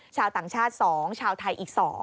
ชาวต่างชาติ๒ชาวไทยอีก๒